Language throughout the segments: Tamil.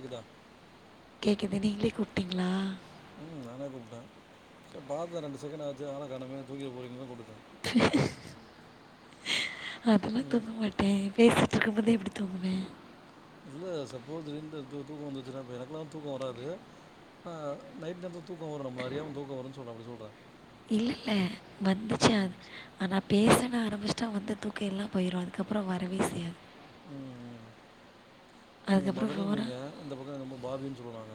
இதுதா கேக்குது நீங்களே கூப்டீங்களா ம் நாந்தா கூப்ட சேரி பாத்த ரெண்டு செகண்ட் ஆச்சு ஆள காணமே தூங்கிற போறீங்களோன்னு தா கூப்டுட்ட அதெல்லா ம் தூங்க மாட்ட பேசிட்ருக்கும் போதே எப்டி தூங்குவ இல்ல சப்போஸ் இருந்த தூ தூக்கோ வந்துருச்சுன்னா இப்ப எனக்கெல்லாம் தூக்கோ வராது ஆ நைட் நேரத்துல தூக்கோ வரு நம்ள அறியாம தூக்கோ வருன் சொல்ற அப்டி சொல்ற இல்ல இல்ல வந்துச்சு அத் ஆனா பேசனு ஆரம்பிச்சிட்டா வந்த தூக்கோ எல்லா போயிரு அதுக்கப்புறோ வரவே செய்யாது ம் நீங்க அதுக்கப்புறம் ஃபோனா மதனிம்பீங்க இந்த பக்கோ என்னமோ பாபின் சொல்லுறாங்க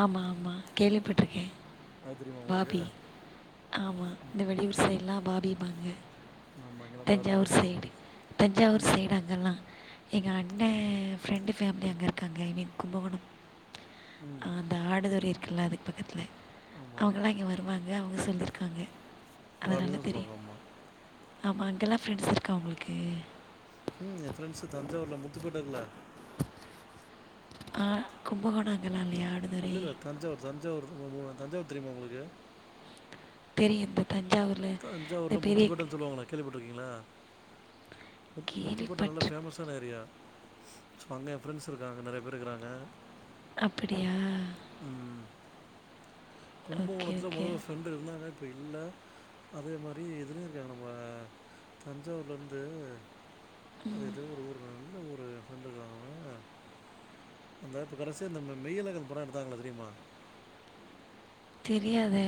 ஆமா ஆமா கேள்விப்பட்ருக்க அது தெரியுமா உங்களுக்கு பாபி ஆமா இந்த ம் வெளியூர் சைடுலா பாபிம்பாங்க ஆமா இங்கெல்லா பாபின்னு தஞ்சாவூர் தா சொல்லுவாங்க சைடு தஞ்சாவூர் ம் சைடு அங்கெல்லா எங்க அண்ண ஃப்ரெண்டு ஃபேமிலி அங்க இருக்காங்க ஐ மீன் கும்பகோணம் ம் ஆ அந்த ஆடுதுறை இருக்குல்ல அதுக் பக்கத்துல ஆமா அவங்கல்லா இங்க வருவாங்க அவுங்க சொல்லிருக்காங்க பாபி தா அதனா தெரியு சொல்லுவாங்க ஆமா ஆமா அங்கெல்லா ஃப்ரெண்ட்ஸ் இருக்கா உங்களுக்கு ம் எ ஃப்ரெண்ட்ஸு தஞ்சாவூர்ல முத்துபேட்ட இருக்குல்ல ஆ கும்பகோணோ அங்கல்லா இல்லியா ஆடு இல்ல இல்ல தஞ்சாவூர் தஞ்சாவூர் தஞ்சாவூர் தெரியுமா உங்களுக்கு தெரியு இந்த தஞ்சாவூர்ல இந்த பெரியக்க கேள்விப்பட்ருக்கீங்களா முத்து முத்துப்பேட்ட நல்லா கேள்விப்பட்டு ஃபேமஸ் ட்டன் ஏரியா சோ அங்க எ ஃப்ரெண்ட்ஸ் இருக்காங்க நறையா பேரு இருக்குறாங்க அப்புடியா ம் ஓகே கும்பகோணத்துல ஓகே மொதல்ல ஃப்ரெண்டு இருந்தாங்க இப்போ இல்ல அதே மாரி இதுலியு இருக்காங்க நம்ம தஞ்சாவூர்ல இருந்து அது எதோ ஒரு ஊர்ல எந்த ஊரு ஃப்ரெண்ட் இருக்குறாங்க அந்த இப்ப கடசியா இந்த மெ மெய்யலகன் படோ எடுத்தாங்கள்ல தெரியுமா தெரியாதே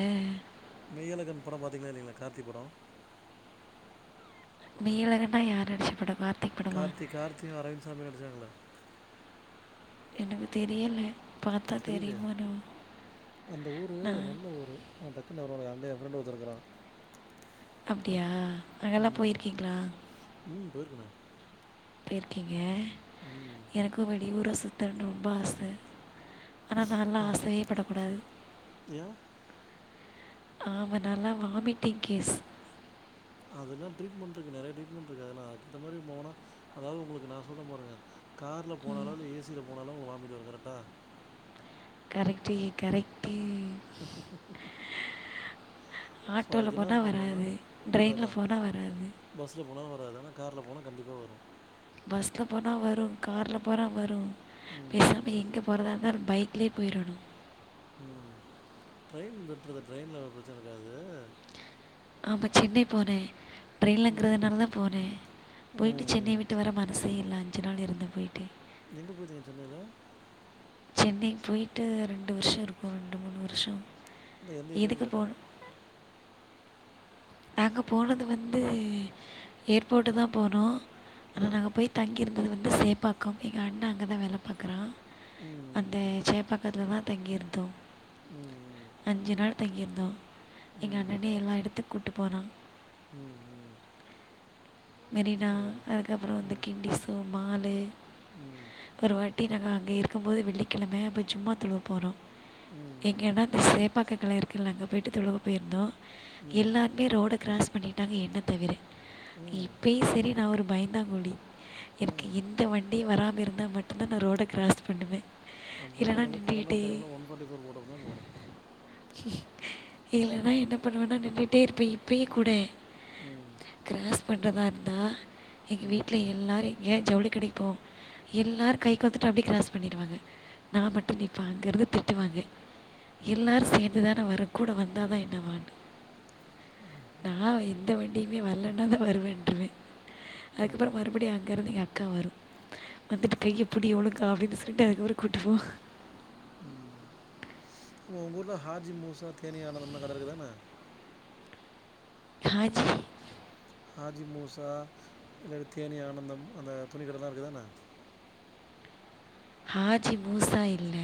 மெய்யலகன் படோ பாத்தீங்களா இல்லீங்களா கார்த்தி படோ மெய்யழகன்னா யார் நடுச்சப் படப்பா கார்த்தி கார்த்தியும் அரவிந்த் சாமியு நடிச்சாங்கல்ல எனக்கு தெரியல பாத்தா தெரியலையா தெரியுமோ என்னவோ அந்த ஊரு நான் நல்ல ஊரு ஆ டக்குன்னு வரமாட்டேங்குது அங்க என் ஃப்ரெண்டு ஒருத்தன் இருக்கறா அப்டியா அங்கெல்லா ம் போயிருக்கீங்களா ம் போயிருக்கனே போயிருக்கீங்க ம் எனக்கும் வெளியூர சுத்தனு ரொம்ப ஆச ஆனா நால்லா ஆசையே படக் கூடாது ஏ ஆமா நாலா வாமிட்டிங் கேஸ் அதெலா ட்ரீட்மென்ட் இருக்கு நெறைய ட்ரீட்மென்ட் இருக்கு அதல்லா அதுகேத்த மாரி போனா அதாவது உங்களுக்கு நா சொல்றம்பாருங்க கார்ல போனாலோ இல்ல ஏசில போனாலோ உங்க வாமிட் வரும் கரக்டா கரெக்ட்டு கரெக்ட்டு ஸோ ஆட்டோல அதுக்கு என்ன போனா பண்ணணும்னா வராது டிரென்ல போனா வராது பஸ்ல போனாலு வராது ஆனா கார்ல போனா கண்டிப்பா வரும் பஸ்ல போனா வரும் கார்ல போனா வரும் பேசாம ம் எங்க போறதா இருந்தாலு பைக்லயே போயிரணும் ம் ட்ரெயின் பெட்டுறதா ட்ரெயின்ல அவ்ளோ பிரச்சன இருக்காது ஆமா சென்னை போனே ம் ட்ரெயினில்ங்கறதுனால தா போனே போயிட்டு ம் சென்னை ம் விட்டு விட்டு வர மனசே இல்ல அஞ்சு நாள் இருந்து போய்ட்டே எங்க போயி தங்கிட்டு இருந்தல்ல சென்னைக்கு போய்ட்டு ரெண்டு வருஷோ இருக்கும் ரெண்டு மூணு வருஷோ எந்த ஏரியான் கேட்டன் நாங்க போனது வந்து ஏர்போட்டு தா போனோ ஆ ஆனா நாங்க போய் தங்கிருந்தது வந்து சேப்பாக்கொம் எங்க அண்ண அங்க தா வேல பாக்குறா அந்த ம் சேப்பாக்கத்துல தா தங்கி இருந்தோ ம் அஞ்சு நாள் தங்கியிருந்தோ ம் எங்க ம் அண்ணனே எல்லா எடத்துக் கூட்டு போனா ம் ம் மெரினா சரி அதுக்கப்பறோ வந்து ம் கிண்டி ஸூ மாலு ம் ஒரு வாட்டி நாங்க அங்க இருக்கும் போது வெள்ளிக்கெழம போய் சும்மா துலுவ போனோ ம் எங்கன்னா அந்த சேப்பாக்கத்தில இருக்கு இல்ல அங்க போயிட்டு தொழக போயிந்தோ ம் எல்லா பே ரோட க்ராஸ் பண்ணிட்டாங்க என்னத் தவிர ம் ம் இப்பயு சரி நா ஒரு பயந்தாங்ககோழி எனக்கு ம் இ எந்த வண்டியு வராம இருந்தா மட்டுந்தா நா ரோட கிராஸ் பண்ணுவே அப்பன்னா நீ வந்து கொரோணா டைம்ல் ஒன்ஃபாட்டி ஃபோர் போட்டப்ப தா போணும் இல்லன்னா என்ன பண்ணுவேன்னா நின்னுட்டே இருப்பே இப்பயே கூட ம் கிராஸ் பண்றதா இருந்தா எங்க ம் வீட்ல எல்லாரையு ஏ ஜவுளி கடைக்கு போம் எல்லாரும் கை கொத்துட்டு அப்டியே கிராஸ் பண்ணிடுவாங்க நா மட்டும் நிப்ப அங்க இருந்து திட்டுவாங்க ம் எல்லாரும் சேந்துதான வற கூட வந்தாதா என்னவான்னு நா எந்த வண்டியுமே வரலன்னா தா வருவேன்றுவே அதுக்கப்பறோ ம் மறுபடி அங்க இருந்து எங்க அக்கா வரும் வந்துட்டு கைய புடி ஒழுங்கா அப்டின்னு சொல்ட்டு அதுக்கப்பறோ கூட்டுபோகும் ம் ஆ உங்க ஊர்ல ஹாஜிமூசா தேனீ ஆனந்தம்ல்லா கட இருக்குதான [unintelligible] ஹாஜி மூசா இல்ல தேனி ஆனந்தம் அந்த துணி கடலா இருக்குதானா ஹாஜி மூசா இல்ல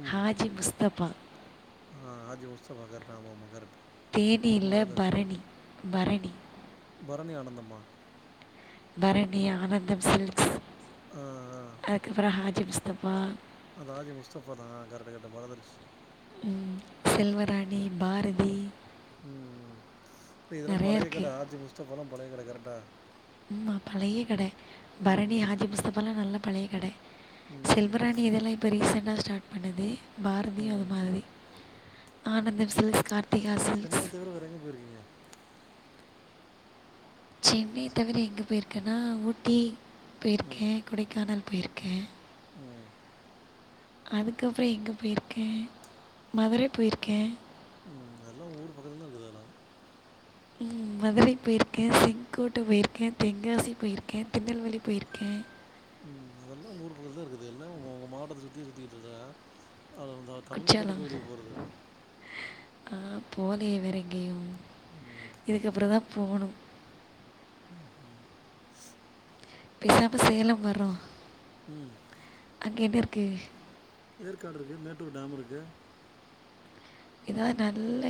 ம் ஹாஜி முஸ்தபா ஆ ஆஜி முஸ்தப கரெக்ட் ஆம ஆமா கரெக்ட் தேனீல மறந்துருச்சு பரணி பரணி பரணி ஆனந்தம்மா பரணி ஆனந்தம் சில்க்ஸ் ஆ ஆ அதுக்கப்புற ஹாஜி முஸ்தப்பா அ ஹாஜி முஸ்தஃபா தா கரக்ட்டு கரக்ட்டு மறந்துருச்சு ம் செல்வராணி பாரதி ம் ம் இதெல்லா நிறைய பழைய கடை இருக்குது ஹாஜி முஸ்தபல்லா பழைய கட கரெட்டா ம்மா பழைய கட பரணி ம் ஹாஜி முஸ்தபலா நல்ல பழைய கடை ம் செல்வராணி இதெல்லா இப்ப ரீசெண்டா ஸ்டார்ட் பண்ணது பாரதியு அது ம் மாரி ஆனந்தம் சில்ஸ் கார்த்திகா சில்ஸ் இத தவிர வேற எங்க போயிருக்கீங்க சென்னை தவிர எங்கே போயிருக்கேன்னா ஊட்டி ம் போயிருக்கே கொடைக்கானல் போயிருக்கே ம் அதுக்கப்புற எங்கே போயிருக்கே மதுர போயிருக்கே ம் அதெல்லா ஊர் பக்கத்துலா இருக்குது இது எல்லா ம் மதுர போயிருக்கே செங்கோட்டை போயிருக்கே தெங்காசி போயிருக்கே திருநல்வேலி போயிருக்கே ம் அதெல்லா உங்க ஊர் பக்கத்துலதா இருக்குது எஎல்லா உ உங்க மாவட்டத்த சுத்தி சுத்திட்டு இருக்க அழவந்த குற்றால ஹ போலயே வேற எங்கயு ம் இதுக்கப்புற தா போணு ம் ம் பேசாம சேலம் வர்றோ ம் அங்க என்ன இருக்கு ஏற்காடு இருக்கு மேட்டூர் டாம் இருக்கு எதாவது நல்ல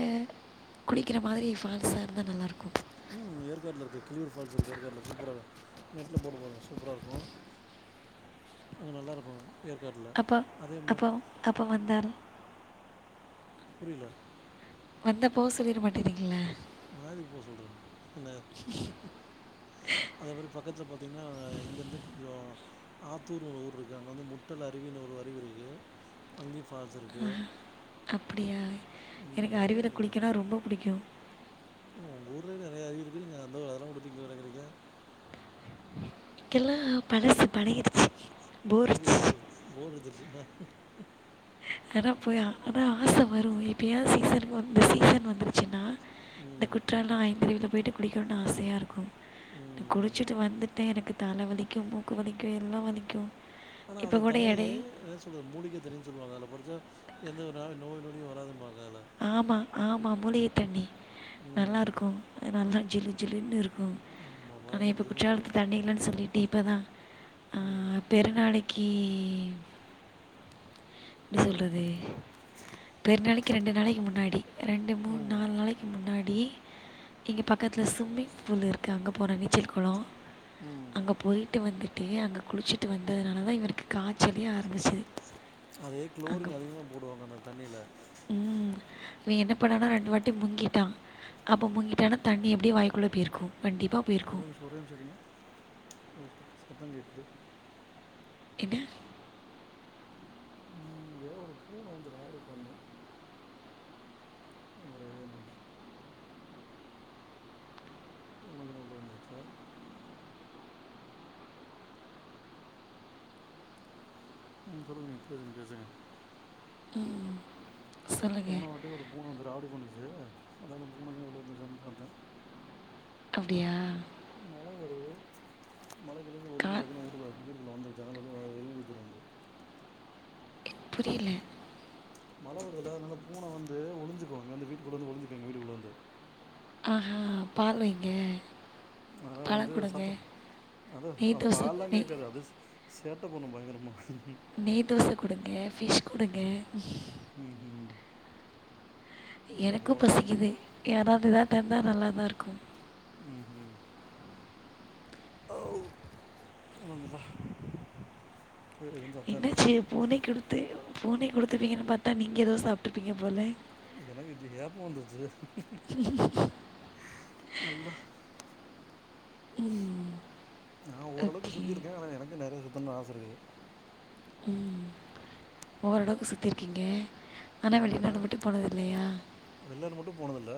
குளிக்கிற மாரி ஃபால்ஸா இருந்தா நல்லாயிருக்கு ம் ஏற்காட்ல இருக்கு கிளியூர் ஃபால்ஸ் இருக்கு ஏற்காட்டல சூப்பார நெட்ல போட்டு பாருங்க சூப்பர இருக்கு அங்க நல்லாயிருக்கு ஏற்காட்ல அப்போ அதே மாரி அப்போ அப்போ வந்தால் புரியல வந்தா போ சொல்லிட மாட்டேறீங்களா நா எதுக்கு போ சொல்ற இல்ல அதே மாரி பக்கத்தில பாத்தீங்கன்னா இங்கேருந்து கொஞ்சோ ஆத்தூர்னு ஒரு ஊர் இருக்கு அங்க வந்து முட்டல் அருவினு ஒரு அருவி இருக்கு அங்கயு ஃபால்ஸ் இருக்குது அப்படியா ம் எனக்கு நெறைய அருவியில் இருக்குங்க குளிக்கனா ரொம்ப புடிக்கு ஏங்க உங்க ஊர்லயே நெறைய அருவி இருக்கு நீங்க அதெலா வுட்டுட்டு இங்க வரேறீங்க இங்கெல்லா பழசு பழகிடுச்சி பழகிருச்சு ஊரு போர் அடிச்சுருச்சுல கட போய்யா ஆனா ஆச வரு எப்பயாவ சீசனுக்கு இந்த சீசன் வந்துருச்சின்னா இந்த ம் குற்றால ஐந்தருவில போயிட்டு குளிக்கணுனு ஆசையா இருக்கு ம் குளிச்சுட்டு வந்துட்டு எனக்கு தல வலிக்கு மூக்கு வலிக்கு எல்லா வலிக்கு ஆனா அந்த தண்ணியே இன்ன ல்ல மூலிக தண்ணின் சொல்லுவாங்க அல படிச்சா எந்தவிதனா நோய் நொடியு வராதும்பாங்க அல ஆமா ஆமா மூலிக தண்ணி ம் நல்லாருக்கு நல்லா ஜிலு ஜிலுன்னு இருக் கு ஆமாம் ஆனா பயங்கர இப்ப ஜில்லுன்னு இருக்கும் குற்றாலத்து தண்ணி இல்லன்னு சொல்லிட்டு இப்ப தா ம் ஆ பெருநாளைக் கி ப்பிடி சொல்றது பெரு நாளைக்கு ரெண்டு நாளைக்கு முன்னாடி ரெண்டு மூனு நால் நாளைக்கு முன்னாடி இங்க பக்கத்துல ஸ்விம்மிங் ஃபூல் இருக்கு அங்க போன நீச்சல் கொளோ ம் அங்க போய்ட்டு வந்துட்டு அங்க குளிச்சிட்டு வந்ததுனால தா இவருக்கு காய்ச்சலே ஆரபிச்சது அது க்ளோரின் அதிகமாக போடுவாங்க அந்த தண்ணில ம் இவ என்ன பண்ணானா ரெண்டு வாட்டி முங்கிட்டா அப்ப முங்கிட்டானா தண்ணி எப்பிடியு வாய்க்குள்ள போயிருக்கு கண்டிப்பா ஒரே நிமிஷோ ஒரே நிமிஷோ இருங்க ஓகே சத்தோ கேக்து என்ன எதோ ஒரு பூன வந்து ராவுடி பண்ணு ஒரே நிமிஷ் பூன கீன உள்ள வந்திருச்சா ம் சொல்லுங்க நீங் பேசுங்க பேசுங்க ம் போன வாட்டி ஒரு பூன வந்து ராவுடி பண்ணிச்சி அதா அந்த பூன கீன உள்ள வந்துச்சான் பாத்தே அப்டியா ம் மழ வருது மழைக்கிழைக்கி கா ஒதுக்கி டக்குன்னு ஊட்டுகார் வீட்டுக்குள்ள வந்துரு ஜன்னல் வழியா எகிரி குதிச்சுரு வந்து புரியல மழ வருதுல அதனால பூன வந்து ஒழிஞ்சிக்கு இங்க வந்து வீட்டுக்குள்ளந்து ஒழிஞ்சிக்கு எங்க வீட்டுக்குள்ள வந்து ஆஹா பால் வைங்க ஆனா வந்து பழம் சத்த கொடுங்க அது நெய் அ தோசை பால்லா நெய் கேக்காது அது சேட்ட பண்ணு பயங்கரமா நெய் தோச குடுங்க ஃபிஷ் குடுங்க ம் ம் இல்ல எனக்கு பூனைய காணோம் பசிக்குது யாராது எதாது தந்தா நல்லா தா இருக்கு ம் ம் வந்துட்டா என்னாச்சி பூனை குடுத்து பூனை குடுத்துருவீங்கன் பாத்தா நீங்க எதோ சாப்ட்டுப்பீங்க போல எனக்குஞ்ச ஏப்போ வந்துச்சி உஹம் உஹ்ம அல்லா ம் நா ஓரளவுக்கு சுத்திருக்கே ஆனா எனக்கு நெறைய சுத்தனு ஆச இருக்கு ம் ஓரளவுக்கு சுத்திருக்கீங்க எங்கன்னா வெளிநாடு மட்டு போனதில்ல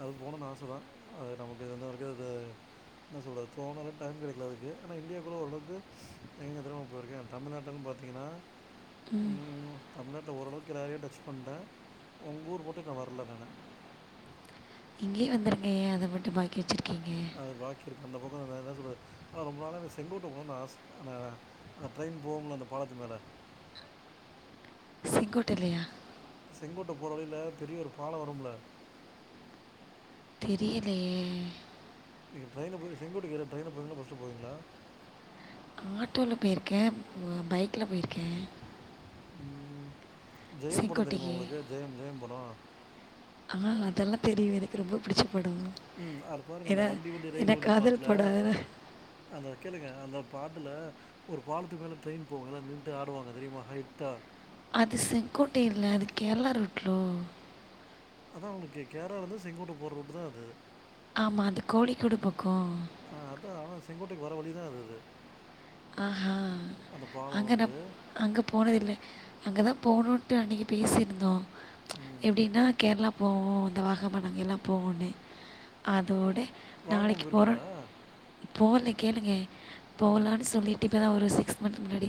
அது போணுன் ஆச தா அது நமக்கு இருந்து வரைக்கு அது என்ன சொல்து தோணலா டைம் கிடைக்கல அதுக்கு ஆனா இந்தியாக்குள்ள ஓளவுக்கு எங்க எங்க தெரிமா போயிருக்கே தமிழ்நாட்டன் பாத்திங்கன்னா ம் தமிழ்நாட்ல ஓரளவுக்கு எல்லாரையு டச் பண்ட்டே உங்க ஊர் மட்டு இன்னு வர்ல நானு இங்கேயே வந்துருங்க ஏ அத மட்டு பாக்கி வெச்சிருக்கீங்க அது பாக்கி இருக்கு அந்த பக்கோ என்ன என்ன சொல்றது ரொம்ப நாளாவே செங்கோட்ட போனுன் ஆச அனா அந்த ட்ரெயின் போம்ல அந்த பாலத்து மேல செங்கோட்டைலயா செங்கோட்ட போற வழில பெரிய ஒரு பாலம் வரும்ல தெரியலயே நீங்க ட்ரெயின்ல போயி செங்கோட்டைக்கு எதுல ட்ரெயின்ல போவீங்களா பஸ்ல போவீங்களா ஆட்டோல போயிருக்க பைக்ல போயிருக்க ஜெயம் படோ தெரியுமா செங்கோட்டைக்கு உங்களுக்கு ஜெயம் ஜெயம் படொ ஆ அதெல்லா தெரியு எனக் ரொம்ப புடிச்ச படொ ம். அது பாருங்க அந்த ஏன்னா வண்டி வண்டி ஏன்னா காதல் படொ அதா அத கேளுங்க அந்த பாட்டுல ஒரு பாலத்து மேல ட்ரெயின் போகுல்ல நின்ட்டு ஆடுவாங்க தெரியுமா ஹைட்டா அது செங்கோட்டை இல்ல அது கேரளா ரூட்லோ அதா உங்களுக்கு கேரளா இருந்து செங்கோட்ட போற ரூட்டு தா அது ஆமா அது கோழிக்கூடு பக்கோ ஆ அதா ஆனா செங்கோட்டைக்கு வர வழிதா அதுது அந்த பாலொ வந்து அங்க போனதில்ல அங்க தா போணுன்ட்டு அன்னைக்கு பேசியிருந்தோ ம். எப்டின்னா கேர்ளா போவோ அந்த வாகமான் அங்க எல்லா போவோன்னு அதோட வாகமன் நாளைக்கு போறோ போயிருக்கீங்களா? போகல கேளுங்க ம். போகலானு சொல்லிட்டு இப்பதா ஒரு சிக்ஸ் மந்த் முன்னாடி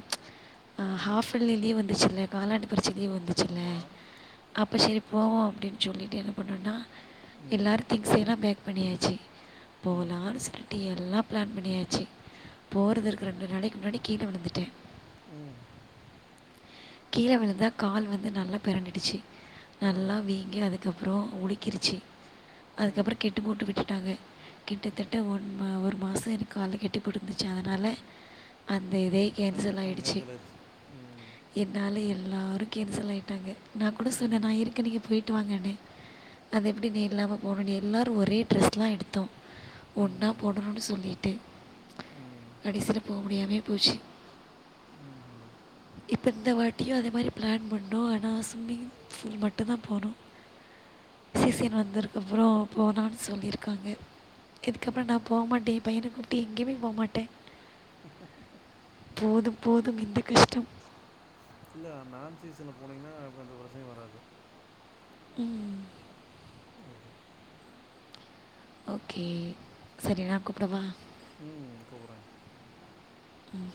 ம். ஹாஃப் எர்லி லீவ் வந்துச்சுல்ல காலாண்டு பரிச்ச லீவ் வந்துச்சுல்ல ஆமா. அப்போ சரி போவோ அப்டின் சொல்லிட்டு என்ன பண்ணோனா ம். எல்லாரு திங்ஸ் எல்லா பேக் பண்ணியாச்சு ம். போலான் சொல்ட்டு எல்லா பிளான் பண்ணியாச்சு போறதற் ம். ரெண்டு நாளைக்கு முன்னாடி கீழ விழுந்துட்ட ம் கீழ விழுந்தா கால் வந்து நல்லா பெரண்டுடுச்சு ஆ. நல்லா வீ வீங்கி அதுக்கப்றோ உலுக்கிருச்சு ம். அதுகப்றோ கட்டு போட்டு விட்டுட்டாங்க கிட்டத்தட்ட ஒன் ஒரு மாசொ எனக்கு கால்ல கெட்டி போட்ருந்துச்சு அதனால அந்த இதே ஆ ப்ளான் கேன்சல் ஆயிடுச்சு ம் என்னால எல்லாரு கேன்சல் ஆய்ட்டாங்க நா கூட சொன்ன ம். நா இருக்கே நீங்க போய்ட்டு வாங்கன்னு அது எப்டி நீ இல்லாம போனு எல்லாரு ஒரே ட்ரெஸ்லா எடுத்தோ ஒன்னா ம். போடணுனு சொல்லிட்டு ம். கடைசில போ முடியாமயே போச்சு ம்ஹ்ம். இப்ப இந்த வாட்டியு அதே மாரி ப்ளான் பண்ணோ ஆனா ஸ்விமிங் ஃபூல் மட்டு தா போனோ ம்ஹ்ம். சீசன் ம். வந்துருக் அப்புறோ போலான் சொல்லிர்க்காங்க ம் இதுக்கப்பறோ நா ம் போ மாட்டே எ பையனக் கூப்டு எங்கயுமே போ மாட்ட போதும் போதும் இந்த கஷ்டம் இல்ல நான் சீசன்ல போனீங்கன்னா அப்ப எந்த பிரச்சனையு வராது ம் ஓகே ஓகே சரி நா கூப்படவா ம் கூப்பற ம்